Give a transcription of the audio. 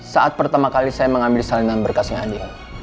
saat pertama kali saya mengambil salinan berkasnya dia